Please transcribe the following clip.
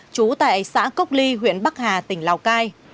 trú tại xã cốc ly huyện bắc hà tỉnh lào cai